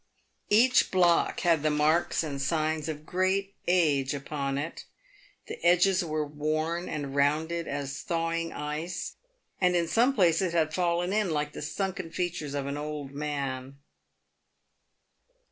Each block had the marks and signs of great age upon it. The edges were worn and rounded as thawing PAVED WITH GOLD. 287 ice, and in some places had fallen in like the sunken features of an old man.